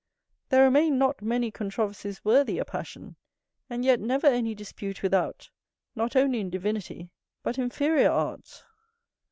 There remain not many controversies worthy a passion, and yet never any dispute without, not only in divinity but inferior arts.